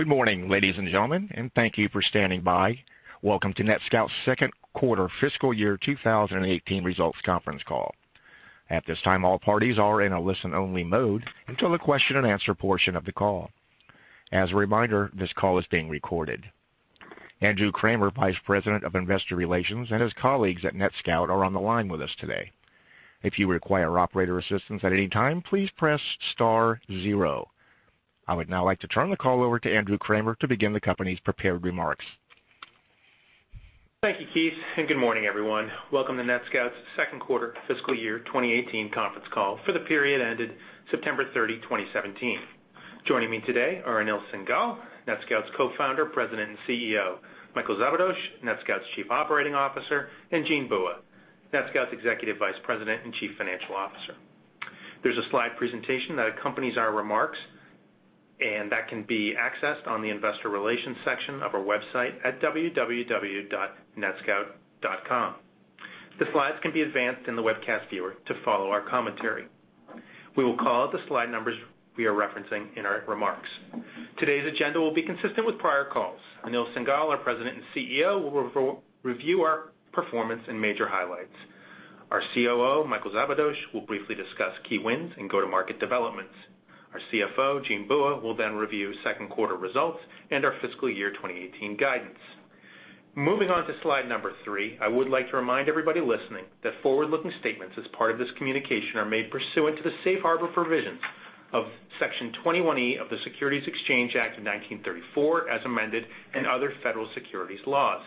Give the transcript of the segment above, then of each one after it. Good morning, ladies and gentlemen. Thank you for standing by. Welcome to NetScout's second quarter fiscal year 2018 results conference call. At this time, all parties are in a listen-only mode until the question and answer portion of the call. As a reminder, this call is being recorded. Andrew Kramer, Vice President of Investor Relations, and his colleagues at NetScout are on the line with us today. If you require operator assistance at any time, please press star zero. I would now like to turn the call over to Andrew Kramer to begin the company's prepared remarks. Thank you, Keith. Good morning, everyone. Welcome to NetScout's second quarter fiscal year 2018 conference call for the period ended September 30, 2017. Joining me today are Anil Singhal, NetScout's Co-founder, President, and CEO; Michael Szabados, NetScout's Chief Operating Officer; and Jean Bua, NetScout's Executive Vice President and Chief Financial Officer. There's a slide presentation that accompanies our remarks, and that can be accessed on the investor relations section of our website at www.netscout.com. The slides can be advanced in the webcast viewer to follow our commentary. We will call out the slide numbers we are referencing in our remarks. Today's agenda will be consistent with prior calls. Anil Singhal, our President and CEO, will review our performance and major highlights. Our COO, Michael Szabados, will briefly discuss key wins and go-to-market developments. Our CFO, Jean Bua, will review second quarter results and our fiscal year 2018 guidance. Moving on to slide number three, I would like to remind everybody listening that forward-looking statements as part of this communication are made pursuant to the Safe Harbor provisions of Section 21E of the Securities Exchange Act of 1934, as amended, and other federal securities laws.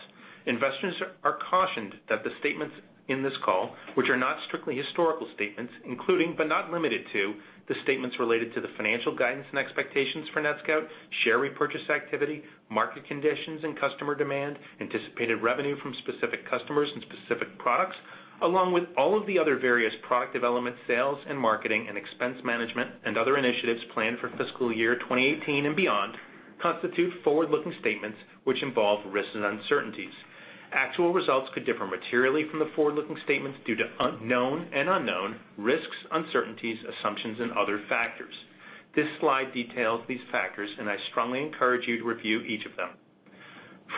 Investors are cautioned that the statements in this call, which are not strictly historical statements, including, but not limited to, the statements related to the financial guidance and expectations for NetScout, share repurchase activity, market conditions, and customer demand, anticipated revenue from specific customers and specific products, along with all of the other various product development, sales and marketing, and expense management, and other initiatives planned for fiscal year 2018 and beyond, constitute forward-looking statements which involve risks and uncertainties. Actual results could differ materially from the forward-looking statements due to known and unknown risks, uncertainties, assumptions, and other factors. This slide details these factors, and I strongly encourage you to review each of them.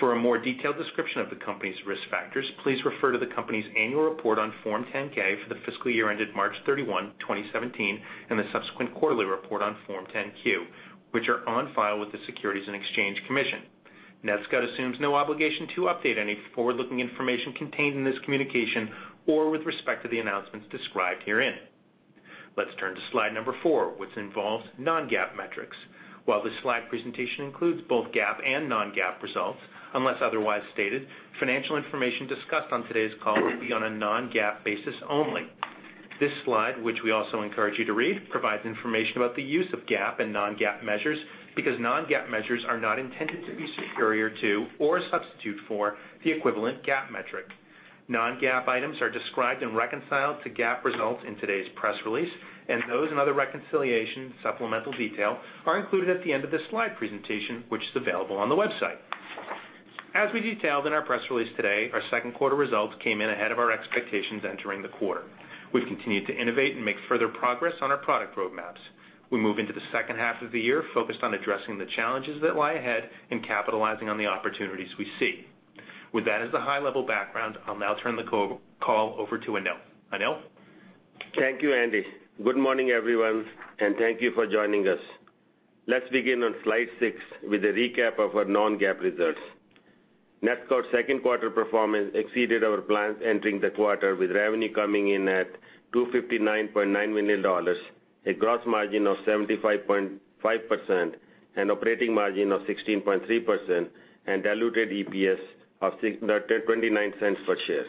For a more detailed description of the company's risk factors, please refer to the company's annual report on Form 10-K for the fiscal year ended March 31, 2017, and the subsequent quarterly report on Form 10-Q, which are on file with the Securities and Exchange Commission. NetScout assumes no obligation to update any forward-looking information contained in this communication or with respect to the announcements described herein. Let's turn to slide number four, which involves non-GAAP metrics. While this slide presentation includes both GAAP and non-GAAP results, unless otherwise stated, financial information discussed on today's call will be on a non-GAAP basis only. This slide, which we also encourage you to read, provides information about the use of GAAP and non-GAAP measures, because non-GAAP measures are not intended to be superior to or a substitute for the equivalent GAAP metric. Non-GAAP items are described and reconciled to GAAP results in today's press release, and those and other reconciliations supplemental detail are included at the end of this slide presentation, which is available on the website. As we detailed in our press release today, our second quarter results came in ahead of our expectations entering the quarter. We've continued to innovate and make further progress on our product roadmaps. We move into the second half of the year focused on addressing the challenges that lie ahead and capitalizing on the opportunities we see. With that as the high-level background, I'll now turn the call over to Anil. Anil? Thank you, Andy. Good morning, everyone, and thank you for joining us. Let's begin on slide six with a recap of our non-GAAP results. NetScout's second quarter performance exceeded our plans entering the quarter, with revenue coming in at $259.9 million, a gross margin of 75.5%, an operating margin of 16.3%, and diluted EPS of $0.29 per share.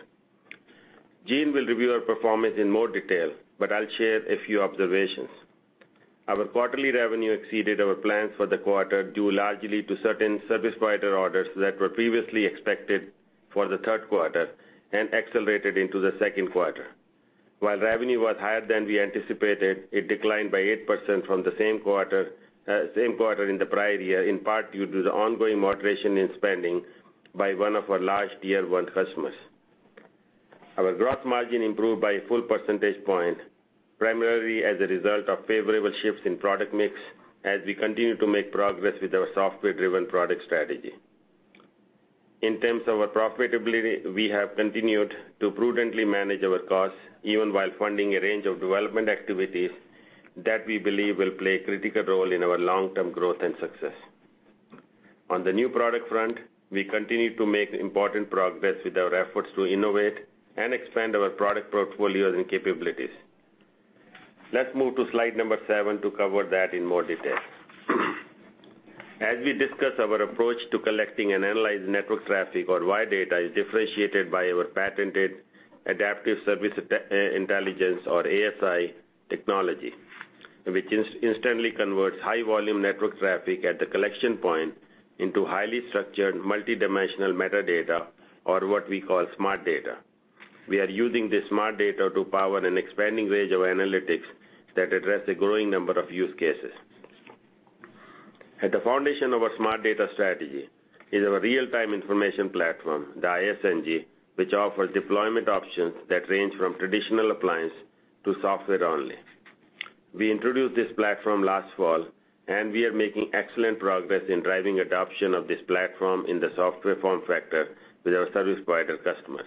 Jean will review our performance in more detail, but I'll share a few observations. Our quarterly revenue exceeded our plans for the quarter, due largely to certain service provider orders that were previously expected for the third quarter and accelerated into the second quarter. While revenue was higher than we anticipated, it declined by 8% from the same quarter in the prior year, in part due to the ongoing moderation in spending by one of our large Tier 1 customers. Our gross margin improved by a full percentage point, primarily as a result of favorable shifts in product mix as we continue to make progress with our software-driven product strategy. In terms of our profitability, we have continued to prudently manage our costs, even while funding a range of development activities that we believe will play a critical role in our long-term growth and success. On the new product front, we continue to make important progress with our efforts to innovate and expand our product portfolios and capabilities. Let's move to slide number seven to cover that in more detail. As we discuss our approach to collecting and analyzing network traffic or wire data is differentiated by our patented Adaptive Service Intelligence, or ASI, technology, which instantly converts high-volume network traffic at the collection point into highly structured, multidimensional metadata, or what we call Smart Data. We are using this Smart Data to power an expanding range of analytics that address a growing number of use cases. At the foundation of our Smart Data strategy is our real-time information platform, the InfiniStreamNG, which offers deployment options that range from traditional appliance to software-only. We introduced this platform last fall, and we are making excellent progress in driving adoption of this platform in the software form factor with our service provider customers.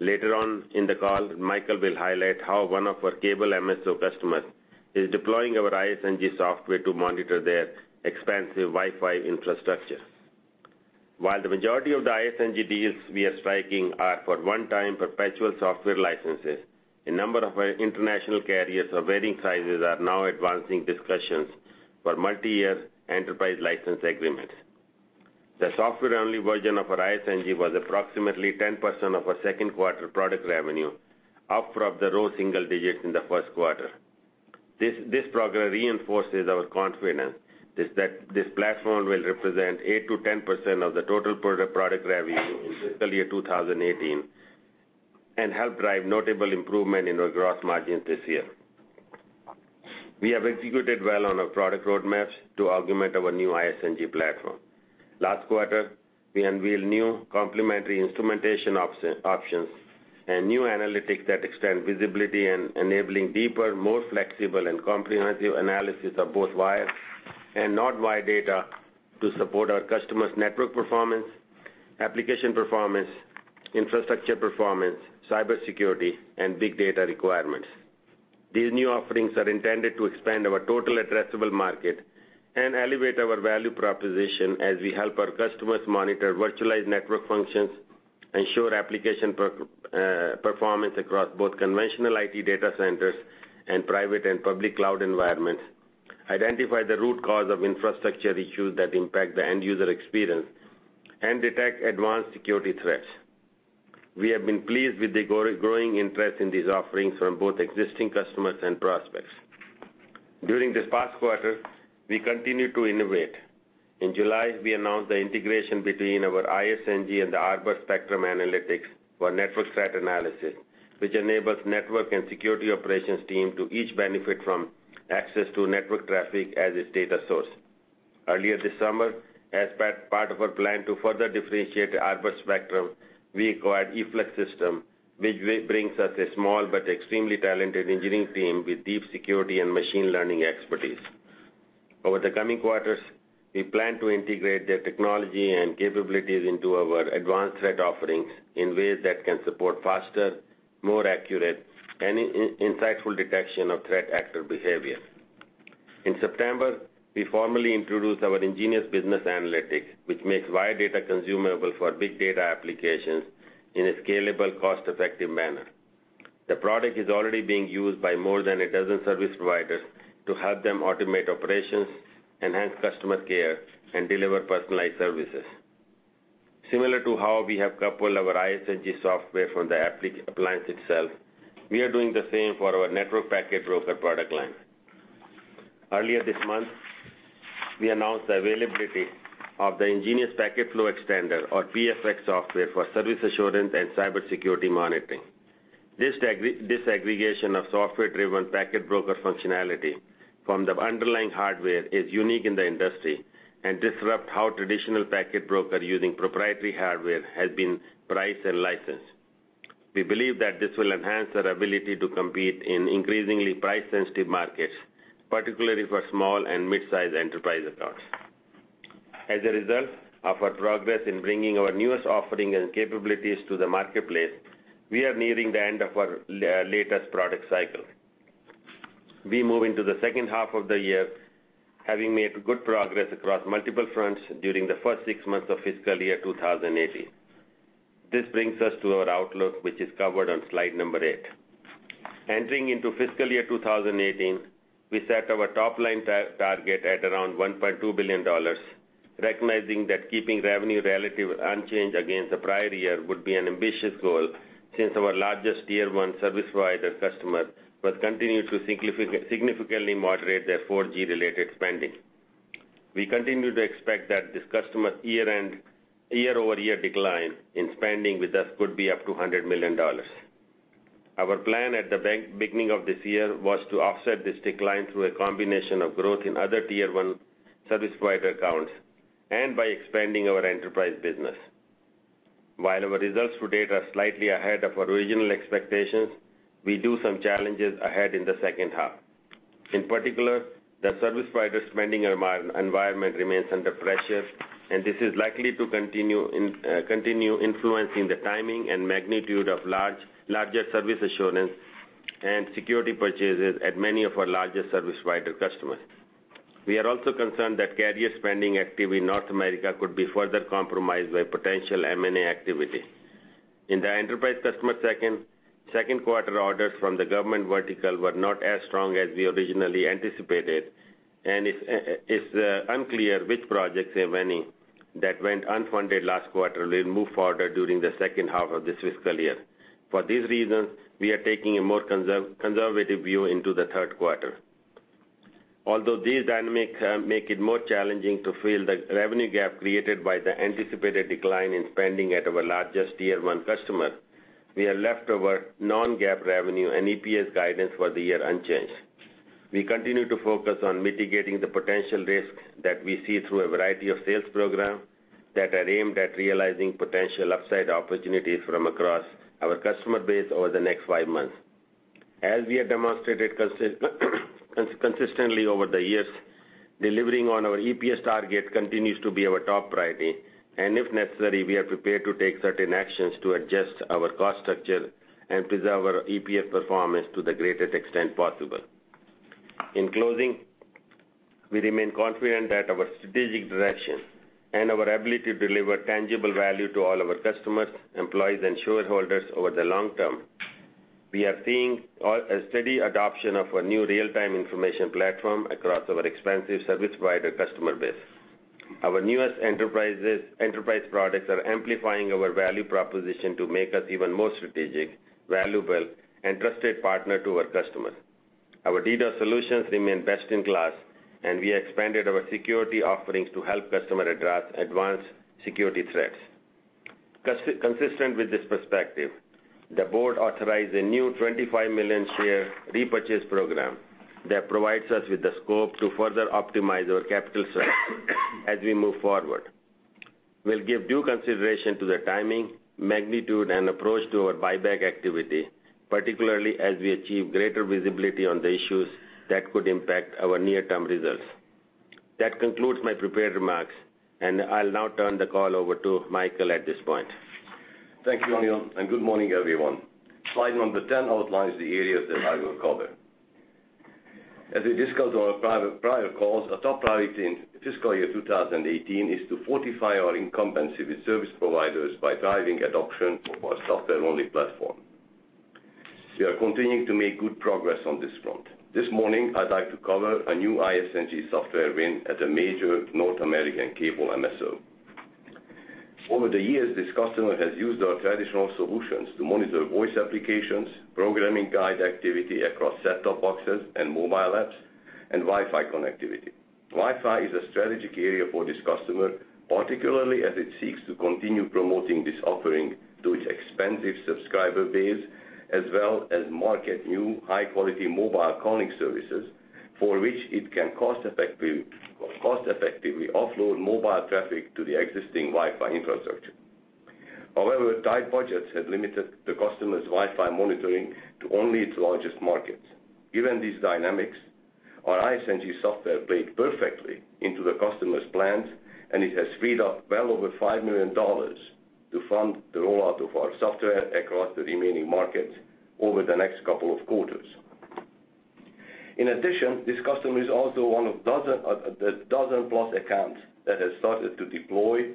Later on in the call, Michael will highlight how one of our cable MSO customers is deploying our InfiniStreamNG software to monitor their expansive Wi-Fi infrastructure. While the majority of the InfiniStreamNG deals we are striking are for one-time perpetual software licenses, a number of our international carriers of varying sizes are now advancing discussions for multi-year enterprise license agreements. The software-only version of our InfiniStreamNG was approximately 10% of our second quarter product revenue, up from the low single digits in the first quarter. This progress reinforces our confidence is that this platform will represent 8%-10% of the total product revenue in fiscal year 2018 and help drive notable improvement in our gross margins this year. We have executed well on our product roadmaps to augment our new InfiniStreamNG platform. Last quarter, we unveiled new complementary instrumentation options and new analytics that extend visibility and enabling deeper, more flexible and comprehensive analysis of both wired and non-wired data to support our customers' network performance, application performance, infrastructure performance, cybersecurity, and big data requirements. These new offerings are intended to expand our total addressable market and elevate our value proposition as we help our customers monitor virtualized network functions, ensure application performance across both conventional IT data centers and private and public cloud environments, identify the root cause of infrastructure issues that impact the end-user experience, and detect advanced security threats. We have been pleased with the growing interest in these offerings from both existing customers and prospects. During this past quarter, we continued to innovate. In July, we announced the integration between our InfiniStreamNG and the Arbor Spectrum analytics for network threat analysis, which enables network and security operations team to each benefit from access to network traffic as a data source. Earlier this summer, as part of our plan to further differentiate the Arbor Spectrum, we acquired Efflux Systems, which brings us a small but extremely talented engineering team with deep security and machine learning expertise. Over the coming quarters, we plan to integrate their technology and capabilities into our advanced threat offerings in ways that can support faster, more accurate, and insightful detection of threat actor behavior. In September, we formally introduced our nGenius Business Analytics, which makes wire data consumable for big data applications in a scalable, cost-effective manner. The product is already being used by more than a dozen service providers to help them automate operations, enhance customer care, and deliver personalized services. Similar to how we have coupled our InfiniStreamNG software from the appliance itself, we are doing the same for our network packet broker product line. Earlier this month, we announced the availability of the nGenius Packet Flow Extender or PFX software for service assurance and cybersecurity monitoring. This disaggregation of software-driven packet broker functionality from the underlying hardware is unique in the industry and disrupts how traditional packet broker using proprietary hardware has been priced and licensed. We believe that this will enhance our ability to compete in increasingly price-sensitive markets, particularly for small and mid-size enterprise accounts. As a result of our progress in bringing our newest offering and capabilities to the marketplace, we are nearing the end of our latest product cycle. We move into the second half of the year, having made good progress across multiple fronts during the first six months of fiscal year 2018. This brings us to our outlook, which is covered on slide number eight. Entering into fiscal year 2018, we set our top-line target at around $1.2 billion, recognizing that keeping revenue relative unchanged against the prior year would be an ambitious goal, since our largest tier 1 service provider customer will continue to significantly moderate their 4G-related spending. We continue to expect that this customer year-over-year decline in spending with us could be up to $100 million. Our plan at the beginning of this year was to offset this decline through a combination of growth in other tier 1 service provider accounts and by expanding our enterprise business. While our results to date are slightly ahead of our original expectations, we do some challenges ahead in the second half. In particular, the service provider spending environment remains under pressure. This is likely to continue influencing the timing and magnitude of larger service assurance and security purchases at many of our larger service provider customers. We are also concerned that carrier spending activity in North America could be further compromised by potential M&A activity. In the enterprise customer second quarter orders from the government vertical were not as strong as we originally anticipated, and it's unclear which projects, if any, that went unfunded last quarter will move forward during the second half of this fiscal year. For these reasons, we are taking a more conservative view into the third quarter. Although these dynamics make it more challenging to fill the revenue gap created by the anticipated decline in spending at our largest tier 1 customer, we have left our non-GAAP revenue and EPS guidance for the year unchanged. We continue to focus on mitigating the potential risks that we see through a variety of sales programs that are aimed at realizing potential upside opportunities from across our customer base over the next five months. As we have demonstrated consistently over the years, delivering on our EPS target continues to be our top priority. If necessary, we are prepared to take certain actions to adjust our cost structure and preserve our EPS performance to the greatest extent possible. In closing, we remain confident that our strategic direction and our ability to deliver tangible value to all our customers, employees, and shareholders over the long term. We are seeing a steady adoption of our new real-time information platform across our expansive service provider customer base. Our newest enterprise products are amplifying our value proposition to make us even more strategic, valuable, and trusted partner to our customers. Our DDoS solutions remain best in class. We expanded our security offerings to help customers address advanced security threats. Consistent with this perspective, the board authorized a new 25 million share repurchase program that provides us with the scope to further optimize our capital strength as we move forward. We'll give due consideration to the timing, magnitude, and approach to our buyback activity, particularly as we achieve greater visibility on the issues that could impact our near-term results. That concludes my prepared remarks. I'll now turn the call over to Michael at this point. Thank you, Anil, and good morning, everyone. Slide number 10 outlines the areas that I will cover. As we discussed on our prior calls, our top priority in fiscal year 2018 is to fortify our incumbency with service providers by driving adoption of our software-only platform. We are continuing to make good progress on this front. This morning, I'd like to cover a new ISNG software win at a major North American cable MSO. Over the years, this customer has used our traditional solutions to monitor voice applications, programming guide activity across set-top boxes and mobile apps, and Wi-Fi connectivity. Wi-Fi is a strategic area for this customer, particularly as it seeks to continue promoting this offering to its expansive subscriber base, as well as market new high-quality mobile calling services for which it can cost-effectively offload mobile traffic to the existing Wi-Fi infrastructure. However, tight budgets have limited the customer's Wi-Fi monitoring to only its largest markets. Given these dynamics, our ISNG software played perfectly into the customer's plans, and it has freed up well over $5 million to fund the rollout of our software across the remaining markets over the next couple of quarters. In addition, this customer is also one of the dozen-plus accounts that has started to deploy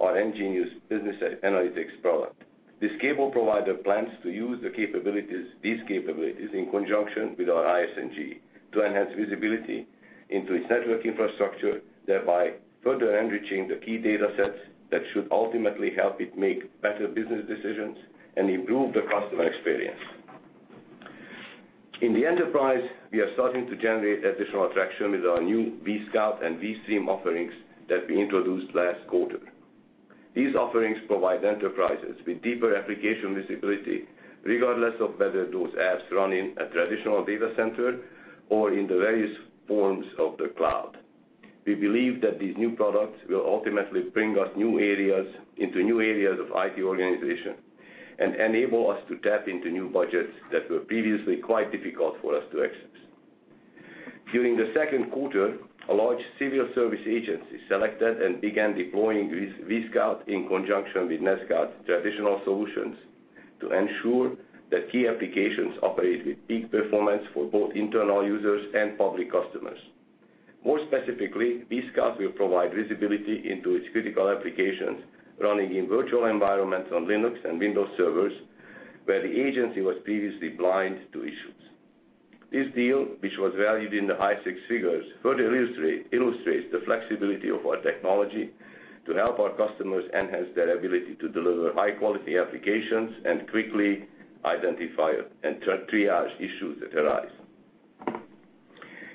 our nGenius Business Analytics product. This cable provider plans to use these capabilities in conjunction with our ISNG to enhance visibility into its network infrastructure, thereby further enriching the key data sets that should ultimately help it make better business decisions and improve the customer experience. In the enterprise, we are starting to generate additional traction with our new vSCOUT and vSTREAM offerings that we introduced last quarter. These offerings provide enterprises with deeper application visibility, regardless of whether those apps run in a traditional data center or in the various forms of the cloud. We believe that these new products will ultimately bring us into new areas of IT organization and enable us to tap into new budgets that were previously quite difficult for us to access. During the second quarter, a large civil service agency selected and began deploying vSCOUT in conjunction with NetScout's traditional solutions to ensure that key applications operate with peak performance for both internal users and public customers. More specifically, vSCOUT will provide visibility into its critical applications running in virtual environments on Linux and Windows servers where the agency was previously blind to issues. This deal, which was valued in the high six figures, further illustrates the flexibility of our technology to help our customers enhance their ability to deliver high-quality applications and quickly identify and triage issues that arise.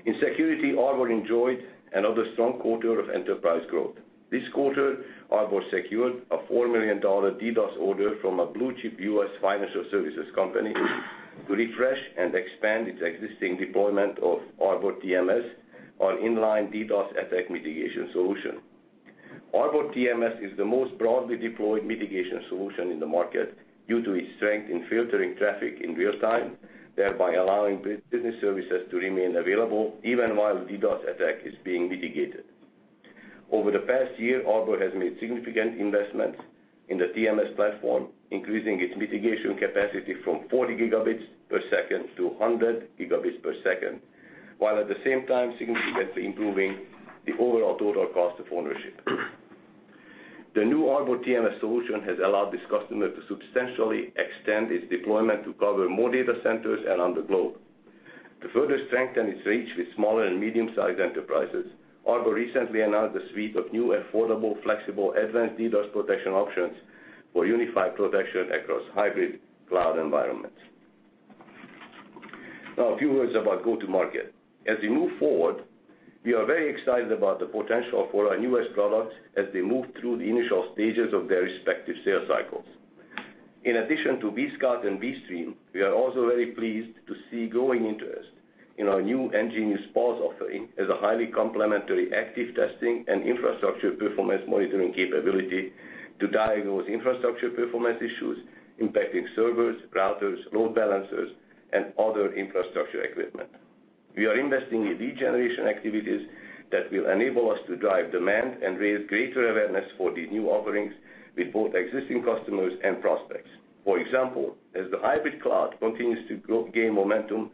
In security, Arbor enjoyed another strong quarter of enterprise growth. This quarter, Arbor secured a $4 million DDoS order from a blue-chip U.S. financial services company to refresh and expand its existing deployment of Arbor TMS on inline DDoS attack mitigation solution. Arbor TMS is the most broadly deployed mitigation solution in the market due to its strength in filtering traffic in real time, thereby allowing business services to remain available even while a DDoS attack is being mitigated. Over the past year, Arbor has made significant investments in the TMS platform, increasing its mitigation capacity from 40 gigabits per second to 100 gigabits per second, while at the same time significantly improving the overall total cost of ownership. The new Arbor TMS solution has allowed this customer to substantially extend its deployment to cover more data centers and on the globe. To further strengthen its reach with smaller and medium-sized enterprises, Arbor recently announced a suite of new affordable, flexible, advanced DDoS protection options for unified protection across hybrid cloud environments. Now, a few words about go-to-market. As we move forward, we are very excited about the potential for our newest products as they move through the initial stages of their respective sales cycles. In addition to vSCOUT and vSTREAM, we are also very pleased to see growing interest in our new nGeniusPULSE offering as a highly complementary active testing and infrastructure performance monitoring capability to diagnose infrastructure performance issues impacting servers, routers, load balancers, and other infrastructure equipment. We are investing in lead generation activities that will enable us to drive demand and raise greater awareness for these new offerings with both existing customers and prospects. For example, as the hybrid cloud continues to gain momentum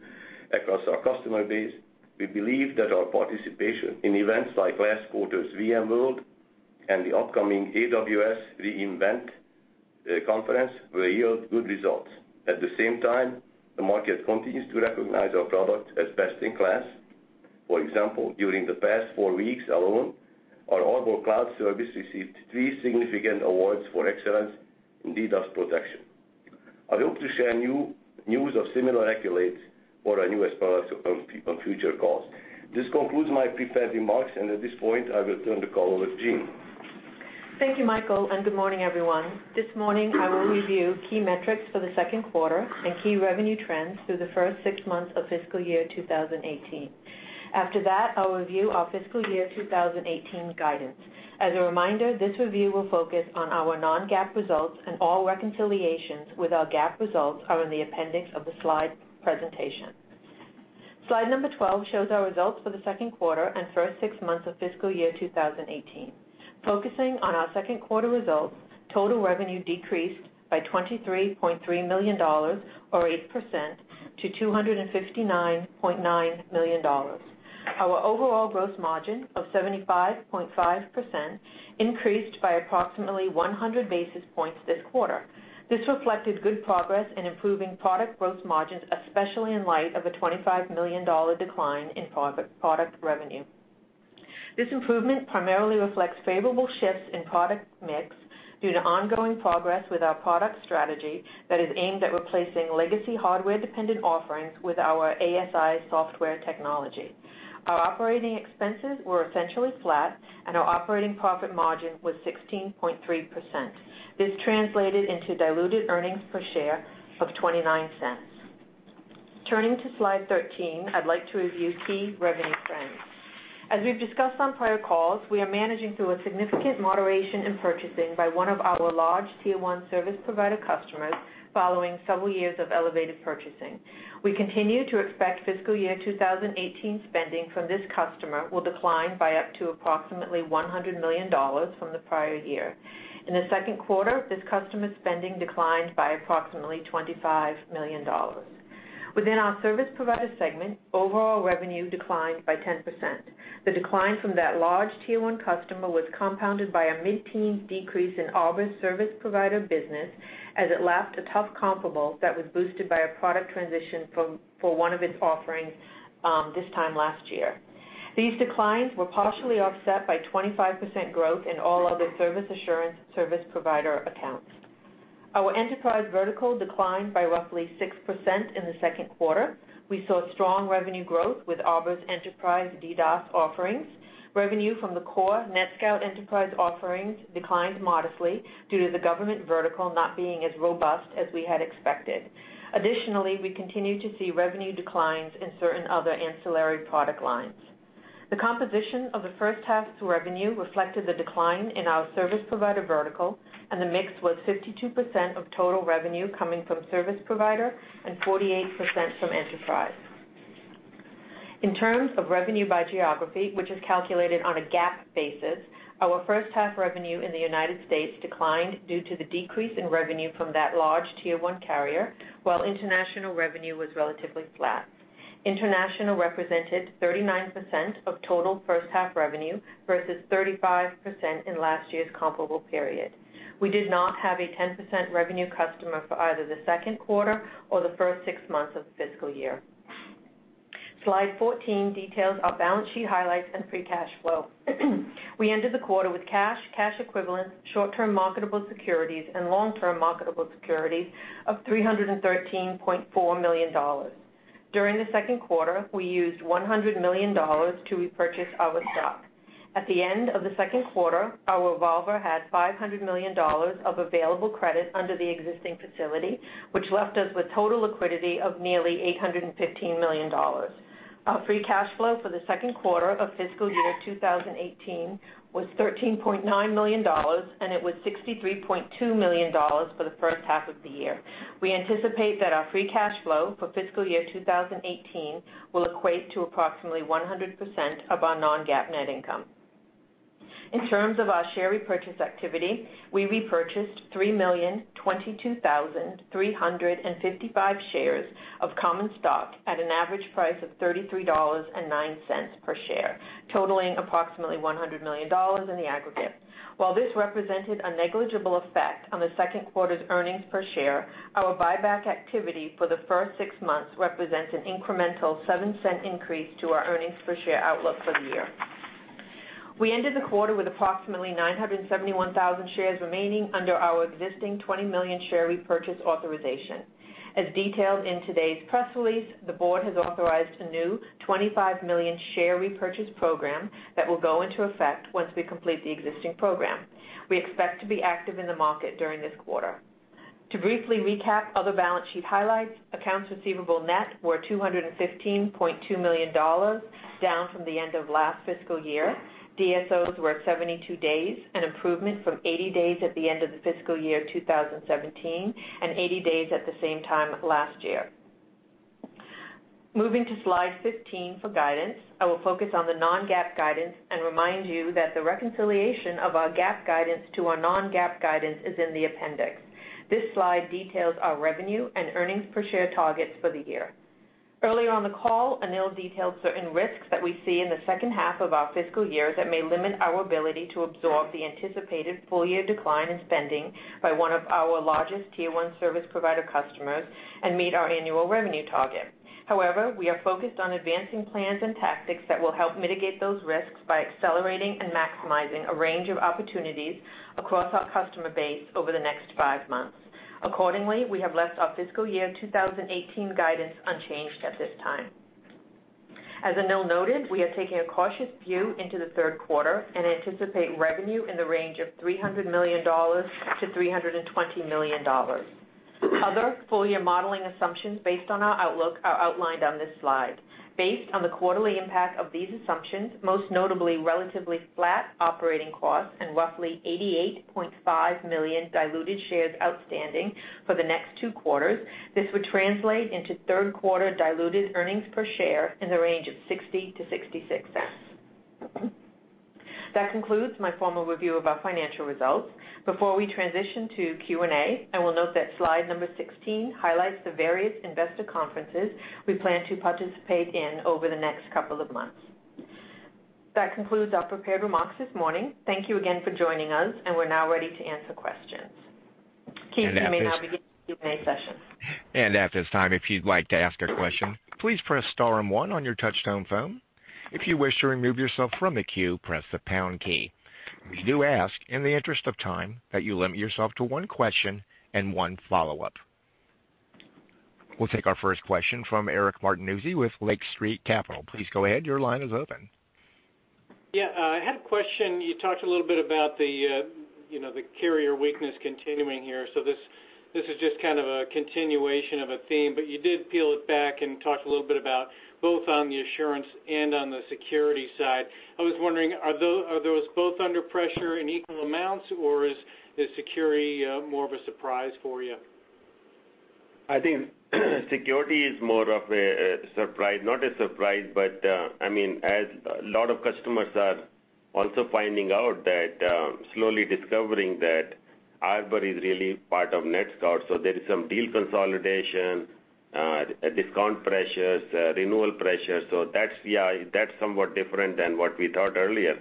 across our customer base, we believe that our participation in events like last quarter's VMworld and the upcoming AWS re:Invent conference will yield good results. At the same time, the market continues to recognize our product as best-in-class. For example, during the past four weeks alone, our Arbor Cloud service received three significant awards for excellence in DDoS protection. I hope to share news of similar accolades for our newest products on future calls. This concludes my prepared remarks, and at this point, I will turn the call over to Jean. Thank you, Michael, and good morning, everyone. This morning, I will review key metrics for the second quarter and key revenue trends through the first six months of fiscal year 2018. After that, I'll review our fiscal year 2018 guidance. As a reminder, this review will focus on our non-GAAP results, and all reconciliations with our GAAP results are in the appendix of the slide presentation. Slide number 12 shows our results for the second quarter and first six months of fiscal year 2018. Focusing on our second quarter results, total revenue decreased by $23.3 million, or 8%, to $259.9 million. Our overall gross margin of 75.5% increased by approximately 100 basis points this quarter. This reflected good progress in improving product gross margins, especially in light of a $25 million decline in product revenue. This improvement primarily reflects favorable shifts in product mix due to ongoing progress with our product strategy that is aimed at replacing legacy hardware-dependent offerings with our ASI software technology. Our operating expenses were essentially flat, our operating profit margin was 16.3%. This translated into diluted earnings per share of $0.29. Turning to slide 13, I'd like to review key revenue trends. As we've discussed on prior calls, we are managing through a significant moderation in purchasing by one of our large Tier 1 service provider customers following several years of elevated purchasing. We continue to expect fiscal year 2018 spending from this customer will decline by up to approximately $100 million from the prior year. In the second quarter, this customer's spending declined by approximately $25 million. Within our service provider segment, overall revenue declined by 10%. The decline from that large Tier 1 customer was compounded by a mid-teen decrease in Arbor's service provider business as it lapped a tough comparable that was boosted by a product transition for one of its offerings this time last year. These declines were partially offset by 25% growth in all other service assurance service provider accounts. Our enterprise vertical declined by roughly 6% in the second quarter. We saw strong revenue growth with Arbor's enterprise DDoS offerings. Revenue from the core NetScout enterprise offerings declined modestly due to the government vertical not being as robust as we had expected. We continue to see revenue declines in certain other ancillary product lines. The composition of the first half's revenue reflected the decline in our service provider vertical, and the mix was 52% of total revenue coming from service provider and 48% from enterprise. In terms of revenue by geography, which is calculated on a GAAP basis, our first half revenue in the United States declined due to the decrease in revenue from that large Tier 1 carrier. International revenue was relatively flat. International represented 39% of total first half revenue versus 35% in last year's comparable period. We did not have a 10% revenue customer for either the second quarter or the first six months of the fiscal year. Slide 14 details our balance sheet highlights and free cash flow. We ended the quarter with cash equivalents, short-term marketable securities, and long-term marketable securities of $313.4 million. During the second quarter, we used $100 million to repurchase our stock. At the end of the second quarter, our revolver had $500 million of available credit under the existing facility, which left us with total liquidity of nearly $815 million. Our free cash flow for the second quarter of fiscal year 2018 was $13.9 million. It was $63.2 million for the first half of the year. We anticipate that our free cash flow for fiscal year 2018 will equate to approximately 100% of our non-GAAP net income. In terms of our share repurchase activity, we repurchased 3,022,355 shares of common stock at an average price of $33.09 per share, totaling approximately $100 million in the aggregate. This represented a negligible effect on the second quarter's earnings per share. Our buyback activity for the first six months represents an incremental $0.07 increase to our earnings per share outlook for the year. We ended the quarter with approximately 971,000 shares remaining under our existing 20 million share repurchase authorization. As detailed in today's press release, the board has authorized a new 25 million share repurchase program that will go into effect once we complete the existing program. We expect to be active in the market during this quarter. To briefly recap other balance sheet highlights, accounts receivable net were $215.2 million, down from the end of last fiscal year. DSOs were at 72 days, an improvement from 80 days at the end of the fiscal year 2017, and 80 days at the same time last year. Moving to slide 15 for guidance, I will focus on the non-GAAP guidance and remind you that the reconciliation of our GAAP guidance to our non-GAAP guidance is in the appendix. This slide details our revenue and earnings per share targets for the year. Earlier on the call, Anil detailed certain risks that we see in the second half of our fiscal year that may limit our ability to absorb the anticipated full-year decline in spending by one of our largest tier 1 service provider customers and meet our annual revenue target. However, we are focused on advancing plans and tactics that will help mitigate those risks by accelerating and maximizing a range of opportunities across our customer base over the next five months. Accordingly, we have left our fiscal year 2018 guidance unchanged at this time. As Anil noted, we are taking a cautious view into the third quarter and anticipate revenue in the range of $300 million-$320 million. Other full year modeling assumptions based on our outlook are outlined on this slide. Based on the quarterly impact of these assumptions, most notably relatively flat operating costs and roughly 88.5 million diluted shares outstanding for the next two quarters, this would translate into third quarter diluted earnings per share in the range of $0.60-$0.66. That concludes my formal review of our financial results. Before we transition to Q&A, I will note that slide number 16 highlights the various investor conferences we plan to participate in over the next couple of months. That concludes our prepared remarks this morning. Thank you again for joining us, and we're now ready to answer questions. Keith, you may now begin the Q&A session. At this time, if you'd like to ask a question, please press star 1 on your touch-tone phone. If you wish to remove yourself from the queue, press the pound key. We do ask, in the interest of time, that you limit yourself to one question and one follow-up. We'll take our first question from Eric Martinuzzi with Lake Street Capital. Please go ahead. Your line is open. I had a question. You talked a little bit about the carrier weakness continuing here. This is just kind of a continuation of a theme, but you did peel it back and talk a little bit about both on the assurance and on the security side. I was wondering, are those both under pressure in equal amounts, or is the security more of a surprise for you? I think security is more of a surprise, not a surprise, but as a lot of customers are also finding out that, slowly discovering that Arbor is really part of NetScout. There is some deal consolidation, discount pressures, renewal pressures. That's somewhat different than what we thought earlier.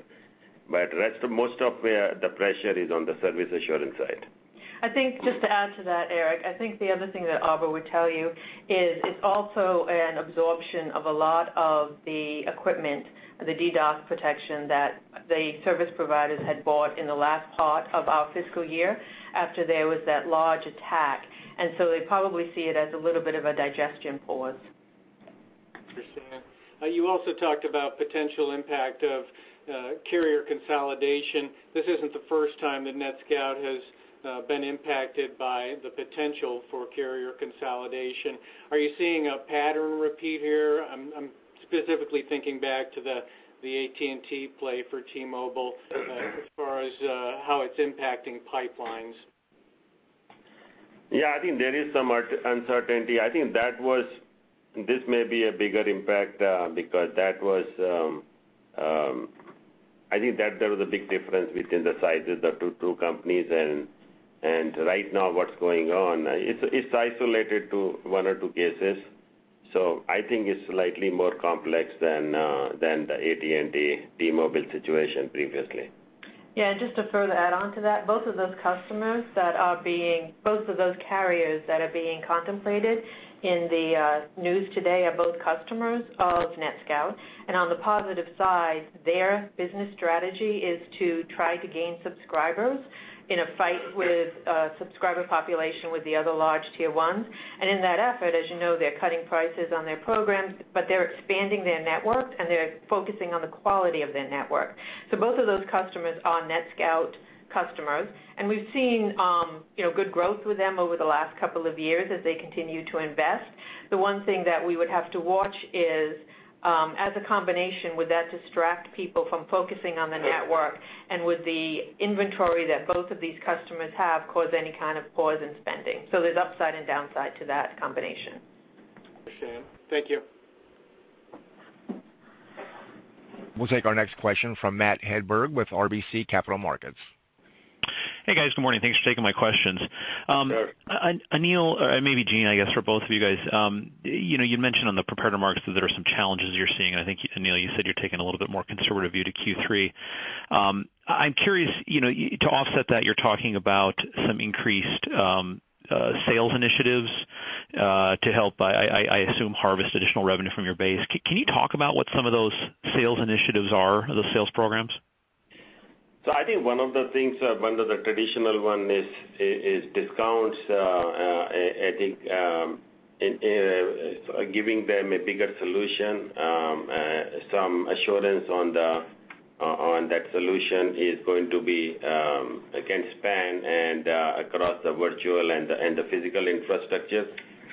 Rest most of where the pressure is on the service assurance side. I think just to add to that, Eric, I think the other thing that Arbor would tell you is it's also an absorption of a lot of the equipment, the DDoS protection that the service providers had bought in the last part of our fiscal year after there was that large attack. They probably see it as a little bit of a digestion pause. Understand. You also talked about potential impact of carrier consolidation. This isn't the first time that NetScout has been impacted by the potential for carrier consolidation. Are you seeing a pattern repeat here? I'm specifically thinking back to the AT&T play for T-Mobile as far as how it's impacting pipelines. Yeah, I think there is some uncertainty. I think this may be a bigger impact, because that was I think there was a big difference between the sizes of two companies and right now what's going on. It's isolated to one or two cases, so I think it's slightly more complex than the AT&T-Mobile situation previously. Yeah, just to further add on to that, both of those carriers that are being contemplated in the news today are both customers of NetScout. On the positive side, their business strategy is to try to gain subscribers in a fight with a subscriber population with the other large tier 1s. In that effort, as you know, they're cutting prices on their programs, but they're expanding their network, and they're focusing on the quality of their network. Both of those customers are NetScout customers, and we've seen good growth with them over the last couple of years as they continue to invest. The one thing that we would have to watch is, as a combination, would that distract people from focusing on the network and would the inventory that both of these customers have cause any kind of pause in spending? There's upside and downside to that combination. Understand. Thank you. We'll take our next question from Matthew Hedberg with RBC Capital Markets. Hey, guys. Good morning. Thanks for taking my questions. Sure. Anil, or maybe Jean, I guess for both of you guys. You mentioned on the prepared remarks that there are some challenges you're seeing, and I think, Anil, you said you're taking a little bit more conservative view to Q3. I'm curious, to offset that, you're talking about some increased sales initiatives to help, I assume, harvest additional revenue from your base. Can you talk about what some of those sales initiatives are, those sales programs? I think one of the things, one of the traditional one is discounts. I think giving them a bigger solution, some assurance on that solution is going to be, again, span and across the virtual and the physical infrastructure.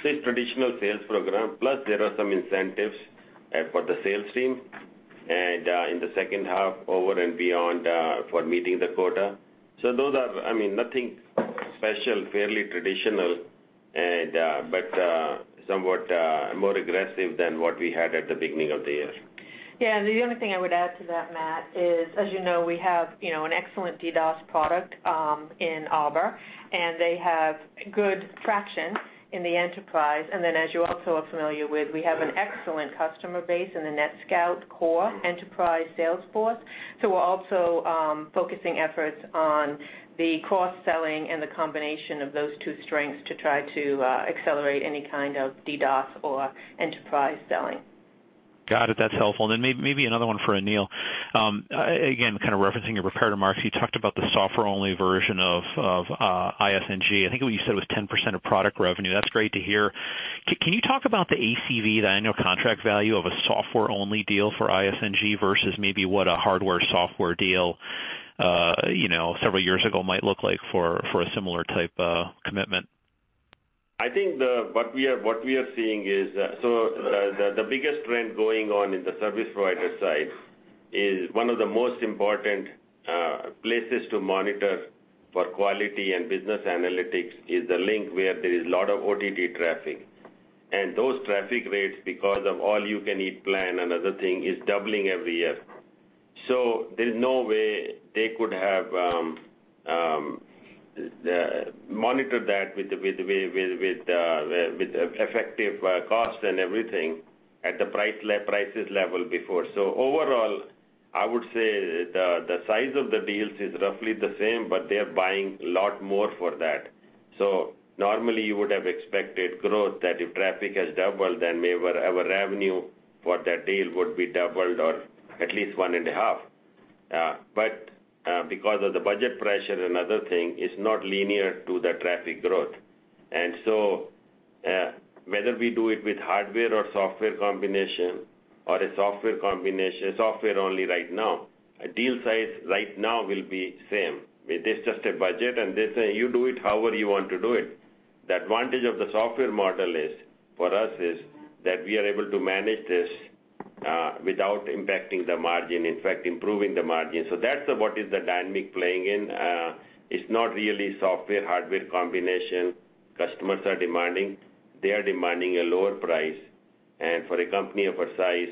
It's a traditional sales program. There are some incentives for the sales team, and in the second half, over and beyond, for meeting the quota. Those are nothing special, fairly traditional, but somewhat more aggressive than what we had at the beginning of the year. Yeah. The only thing I would add to that, Matt, is, as you know, we have an excellent DDoS product in Arbor, and they have good traction in the enterprise. Then, as you also are familiar with, we have an excellent customer base in the NetScout core enterprise sales force. We're also focusing efforts on the cross-selling and the combination of those two strengths to try to accelerate any kind of DDoS or enterprise selling. Got it. That's helpful. Then maybe another one for Anil. Again, kind of referencing your prepared remarks, you talked about the software-only version of InfiniStreamNG. I think what you said was 10% of product revenue. That's great to hear. Can you talk about the ACV, the annual contract value, of a software-only deal for InfiniStreamNG versus maybe what a hardware-software deal several years ago might look like for a similar type commitment? I think what we are seeing is, the biggest trend going on in the service provider side is one of the most important places to monitor for quality and business analytics is the link where there is a lot of OTT traffic. Those traffic rates, because of all you can eat plan and other thing, is doubling every year. There's no way they could monitor that with effective cost and everything at the prices level before. Overall, I would say the size of the deals is roughly the same, but they're buying a lot more for that. Normally you would have expected growth that if traffic has doubled, then maybe our revenue for that deal would be doubled or at least one and a half. Because of the budget pressure and other thing is not linear to the traffic growth. Whether we do it with hardware or software combination or a software combination, software only right now, a deal size right now will be same. This is just a budget and they say, "You do it however you want to do it." The advantage of the software model for us is that we are able to manage this without impacting the margin, in fact, improving the margin. That's what is the dynamic playing in. It's not really software-hardware combination customers are demanding. They are demanding a lower price. For a company of our size,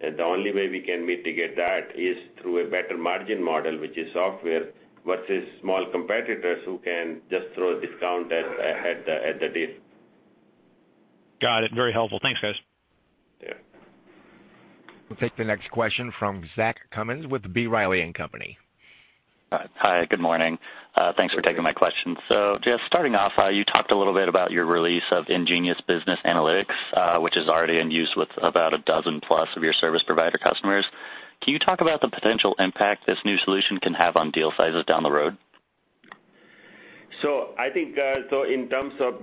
the only way we can mitigate that is through a better margin model, which is software versus small competitors who can just throw a discount at the deal. Got it. Very helpful. Thanks, guys. Yeah. We'll take the next question from Zach Cummins with B. Riley & Company. Hi. Good morning. Thanks for taking my question. Just starting off, you talked a little bit about your release of nGenius Business Analytics, which is already in use with about a dozen plus of your service provider customers. Can you talk about the potential impact this new solution can have on deal sizes down the road? I think, in terms of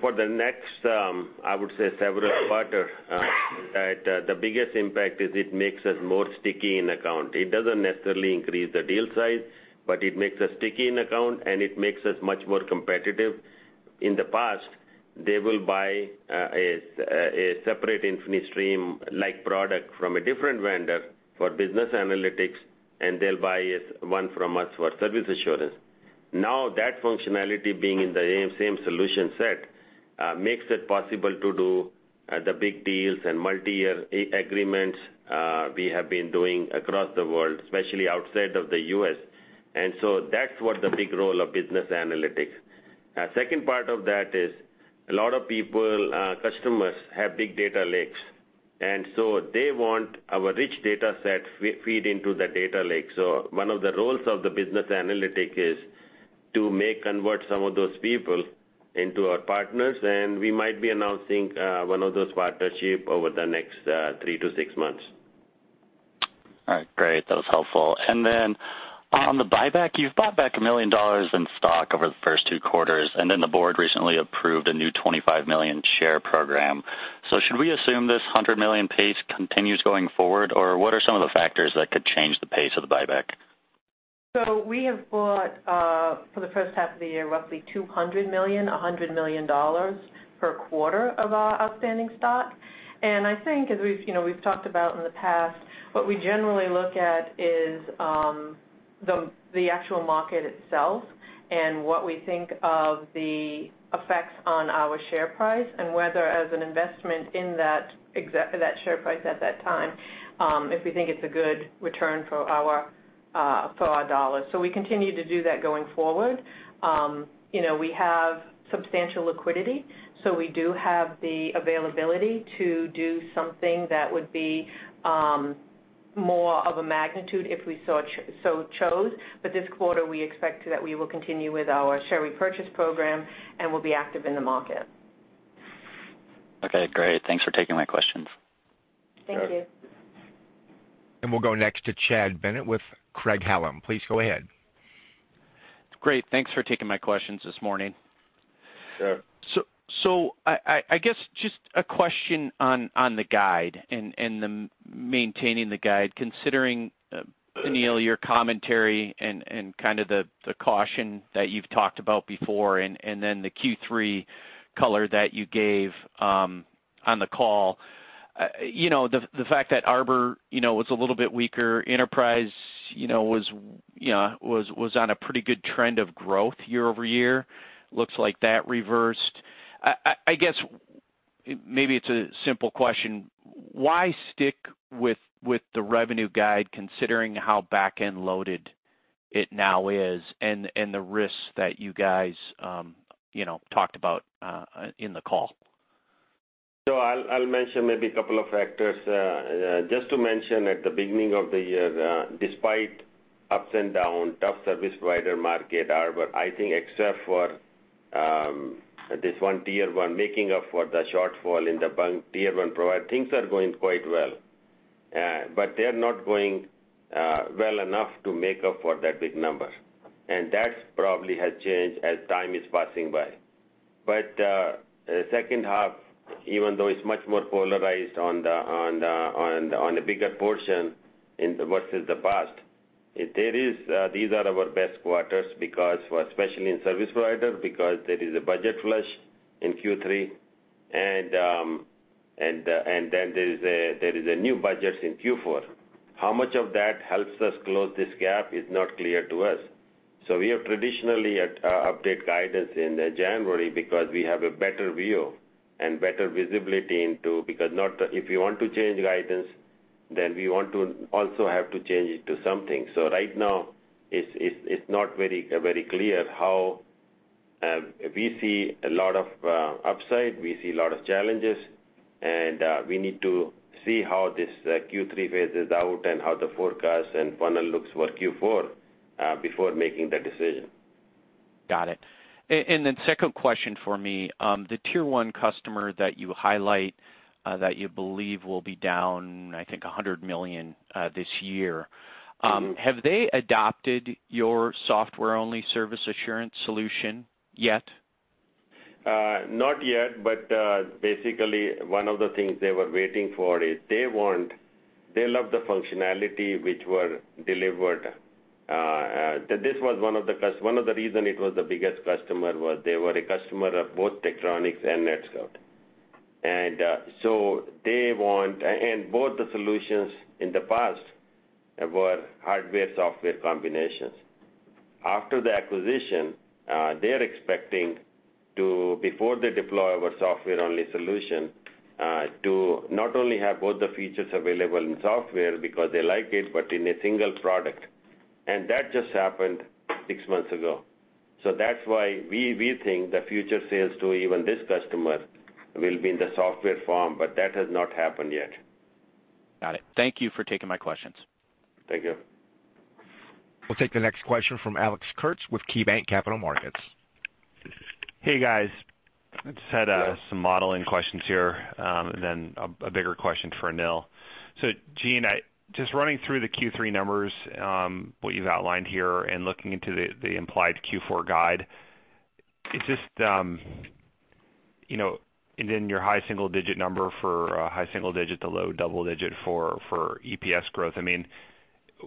for the next, I would say several quarter, that the biggest impact is it makes us more sticky in account. It doesn't necessarily increase the deal size, but it makes us sticky in account, and it makes us much more competitive. In the past, they will buy a separate InfiniStream-like product from a different vendor for business analytics, and they'll buy one from us for service assurance. Now, that functionality being in the same solution set makes it possible to do the big deals and multi-year agreements we have been doing across the world, especially outside of the U.S. That's what the big role of business analytics. Second part of that is a lot of people, customers have big data lakes, and they want our rich data sets feed into the data lake. One of the roles of the business analytic is to convert some of those people into our partners, and we might be announcing one of those partnership over the next three to six months. All right, great. That was helpful. On the buyback, you've bought back $200 million in stock over the first two quarters, the board recently approved a new 25 million share program. Should we assume this $100 million pace continues going forward, what are some of the factors that could change the pace of the buyback? We have bought, for the first half of the year, roughly $200 million, $100 million per quarter of our outstanding stock. I think as we've talked about in the past, what we generally look at is the actual market itself and what we think of the effects on our share price and whether as an investment in that share price at that time, if we think it's a good return for our dollars. We continue to do that going forward. We have substantial liquidity, so we do have the availability to do something that would be more of a magnitude if we so chose. This quarter, we expect that we will continue with our share repurchase program and will be active in the market. Okay, great. Thanks for taking my questions. Thank you. We'll go next to Chad Bennett with Craig-Hallum. Please go ahead. Great. Thanks for taking my questions this morning. Sure. I guess just a question on the guide and the maintaining the guide, considering, Anil, your commentary and the caution that you've talked about before, and then the Q3 color that you gave on the call. The fact that Arbor was a little bit weaker. Enterprise was on a pretty good trend of growth year-over-year. Looks like that reversed. I guess, maybe it's a simple question. Why stick with the revenue guide considering how back-end loaded it now is and the risks that you guys talked about in the call? I'll mention maybe a couple of factors. Just to mention at the beginning of the year, despite ups and down, tough service provider market, Arbor, I think except for this one Tier 1 making up for the shortfall in the Tier 1 provider, things are going quite well. They're not going well enough to make up for that big number. That probably has changed as time is passing by. The second half, even though it's much more polarized on the bigger portion versus the past, these are our best quarters because for, especially in service provider, because there is a budget flush in Q3, and then there is new budgets in Q4. How much of that helps us close this gap is not clear to us. We have traditionally update guidance in January because we have a better view and better visibility into, because if we want to change guidance, then we want to also have to change it to something. Right now, it's not very clear how we see a lot of upside. We see a lot of challenges, and we need to see how this Q3 phases out and how the forecast and funnel looks for Q4 before making that decision. Got it. Second question for me, the Tier 1 customer that you highlight, that you believe will be down, I think, $100 million this year. Have they adopted your software-only service assurance solution yet? Not yet, basically one of the things they were waiting for is they love the functionality which were delivered. One of the reason it was the biggest customer was they were a customer of both Tektronix and NetScout. Both the solutions in the past were hardware-software combinations. After the acquisition, they're expecting to, before they deploy our software-only solution, to not only have both the features available in software because they like it, but in a single product. That just happened six months ago. That's why we think the future sales to even this customer will be in the software form, but that has not happened yet. Got it. Thank you for taking my questions. Thank you. We'll take the next question from Alex Kurtz with KeyBank Capital Markets. Hey, guys. I just had some modeling questions here, and then a bigger question for Anil. Jean, just running through the Q3 numbers, what you've outlined here and looking into the implied Q4 guide. Your high single digit number for high single digit to low double digit for EPS growth.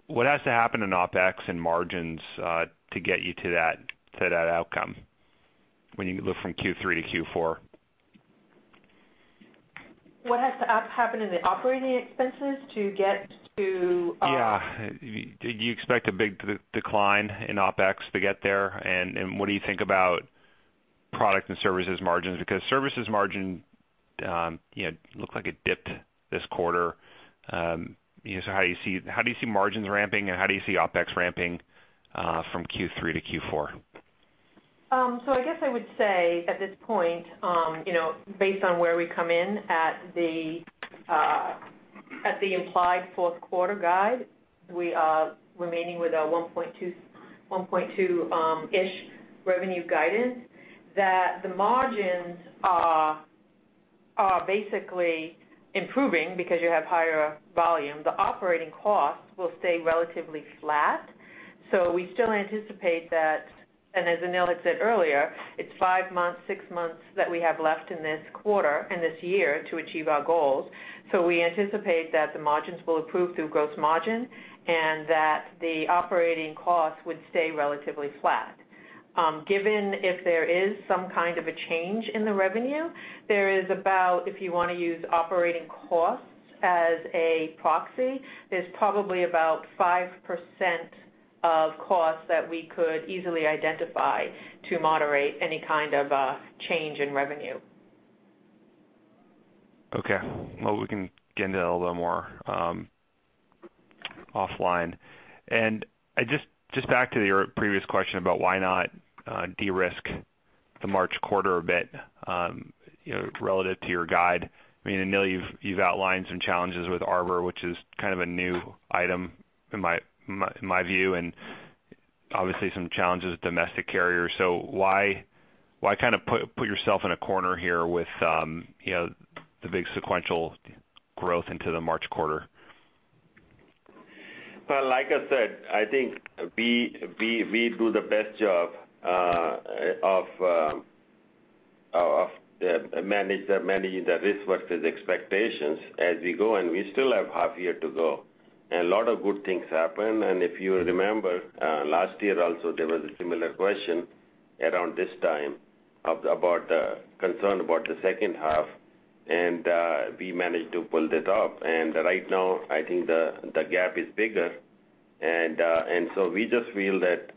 What has to happen in OpEx and margins to get you to that outcome when you look from Q3 to Q4? What has to happen in the operating expenses to get to Yeah. Do you expect a big decline in OpEx to get there? What do you think about product and services margins? Because services margin looked like it dipped this quarter. How do you see margins ramping, and how do you see OpEx ramping from Q3 to Q4? I guess I would say at this point, based on where we come in at the implied fourth quarter guide, we are remaining with our $1.2-ish revenue guidance that the margins are basically improving because you have higher volume. The operating cost will stay relatively flat. We still anticipate that, and as Anil had said earlier, it's five months, six months that we have left in this quarter and this year to achieve our goals. We anticipate that the margins will improve through gross margin and that the operating cost would stay relatively flat. Given if there is some kind of a change in the revenue, there's probably about 5% of costs that we could easily identify to moderate any kind of a change in revenue. Okay. Well, we can get into that a little more offline. Just back to your previous question about why not de-risk the March quarter a bit, relative to your guide. Anil, you've outlined some challenges with Arbor, which is kind of a new item in my view, and obviously some challenges with domestic carriers. Why put yourself in a corner here with the big sequential growth into the March quarter? Well, like I said, I think we do the best job of managing the risk versus expectations as we go. We still have half year to go. A lot of good things happen. If you remember, last year also, there was a similar question around this time about concern about the second half. We managed to pull it off. Right now, I think the gap is bigger. We just feel that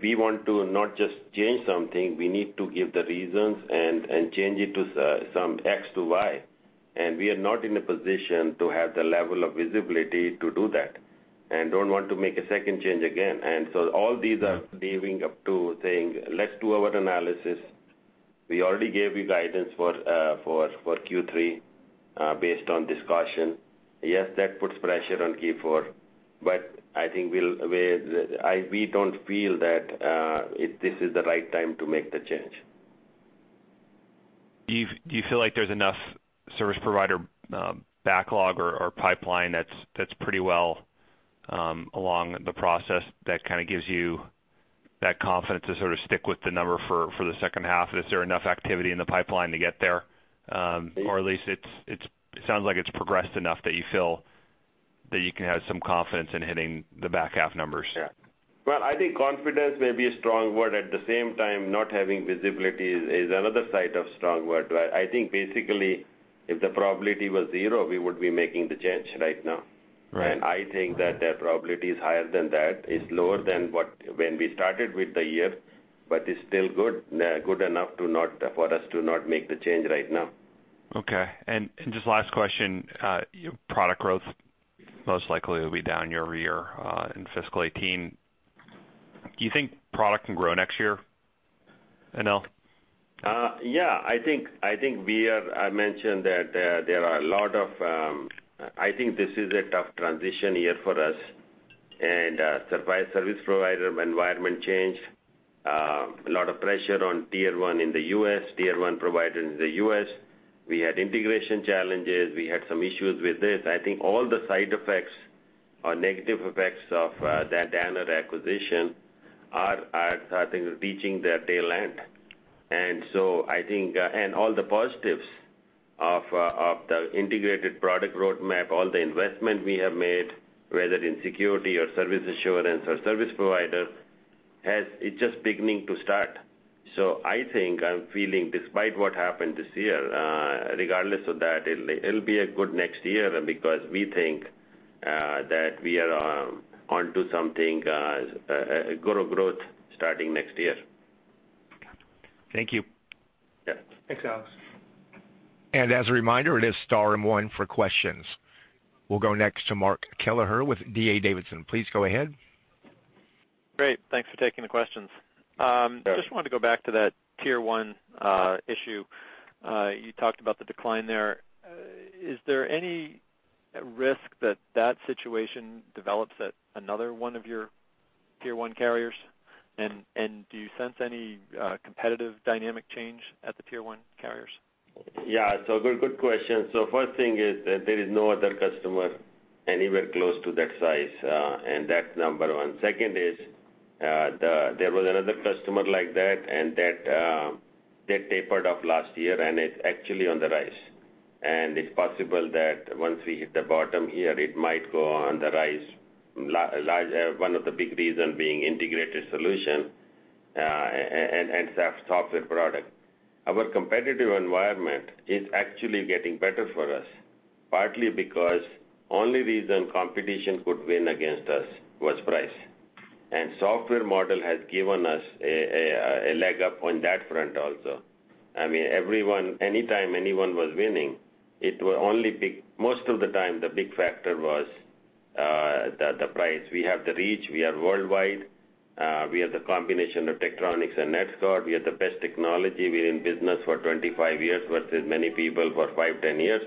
we want to not just change something, we need to give the reasons and change it to some X to Y. We are not in a position to have the level of visibility to do that. Don't want to make a second change again. All these are leading up to saying, "Let's do our analysis." We already gave you guidance for Q3 based on discussion. Yes, that puts pressure on Q4. I think we don't feel that this is the right time to make the change. Do you feel like there's enough service provider backlog or pipeline that's pretty well along the process that gives you that confidence to stick with the number for the second half? Is there enough activity in the pipeline to get there? At least, it sounds like it's progressed enough that you feel that you can have some confidence in hitting the back half numbers. Yeah. Well, I think confidence may be a strong word. At the same time, not having visibility is another side of strong word. I think basically, if the probability was zero, we would be making the change right now. Right. I think that the probability is higher than that. It's lower than when we started with the year, it's still good enough for us to not make the change right now. Okay. Just last question. Product growth most likely will be down year-over-year in fiscal 2018. Do you think product can grow next year, Anil? Yeah. I think I mentioned that there are I think this is a tough transition year for us, surprise service provider environment change. A lot of pressure on tier 1 in the U.S., tier 1 provider in the U.S. We had integration challenges. We had some issues with this. I think all the side effects or negative effects of that Danaher acquisition are starting reaching their tail end. All the positives of the integrated product roadmap, all the investment we have made, whether in security or service assurance or service provider, it's just beginning to start. I think I'm feeling despite what happened this year, regardless of that, it'll be a good next year because we think that we are onto something, grow growth starting next year. Got you. Thank you. Yeah. Thanks, Alex. As a reminder, it is star and one for questions. We'll go next to Mark Kelleher with D.A. Davidson. Please go ahead. Great. Thanks for taking the questions. Sure. Just wanted to go back to that tier 1 issue. You talked about the decline there. Is there any risk that that situation develops at another one of your tier 1 carriers? Do you sense any competitive dynamic change at the tier 1 carriers? Good question. First thing is that there is no other customer anywhere close to that size, and that's number one. Second is, there was another customer like that, and that tapered off last year, and it's actually on the rise. It's possible that once we hit the bottom here, it might go on the rise. One of the big reasons being integrated solution and software product. Our competitive environment is actually getting better for us, partly because the only reason competition could win against us was price. Software model has given us a leg up on that front also. Anytime anyone was winning, most of the time, the big factor was the price. We have the reach, we are worldwide, we have the combination of Tektronix and NetScout. We have the best technology. We're in business for 25 years versus many people for five, 10 years.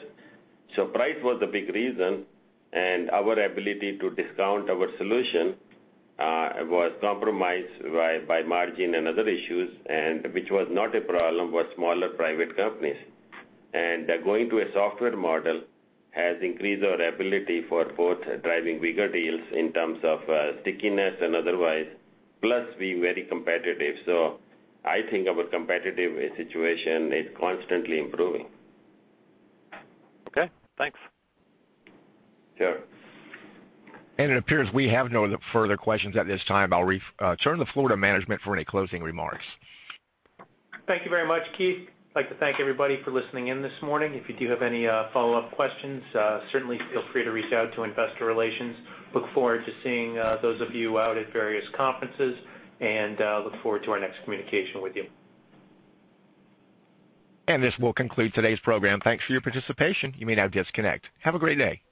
Price was a big reason, and our ability to discount our solution was compromised by margin and other issues, which was not a problem for smaller private companies. Going to a software model has increased our ability for both driving bigger deals in terms of stickiness and otherwise, plus being very competitive. I think our competitive situation is constantly improving. Thanks. Sure. It appears we have no further questions at this time. I'll turn the floor to management for any closing remarks. Thank you very much, Keith. Like to thank everybody for listening in this morning. If you do have any follow-up questions, certainly feel free to reach out to investor relations. Look forward to seeing those of you out at various conferences and look forward to our next communication with you. This will conclude today's program. Thanks for your participation. You may now disconnect. Have a great day.